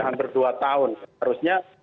hampir dua tahun seharusnya